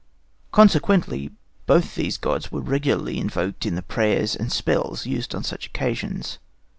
Consequently, both these gods were regularly invoked in the prayers and spells used on such occasions.